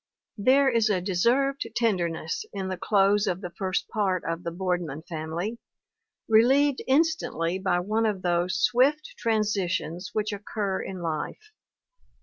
There is a deserved tenderness in the close of the first part of The Boardman Family, relieved instantly by one of those swift transitions which occur in life.